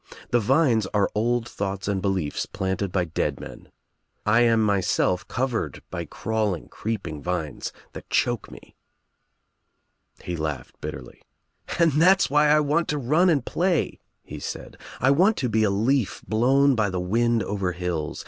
The vines arc old thoughts and be liefs planted by dead men. I am myself covered by crawling creeping vines that choke me." I He laughed bitterly. "And that's why I want to I run and play," he said. "I want to be a leaf blown by the wind over hills.